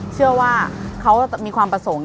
เชื่อว่าเขามีความประสงค์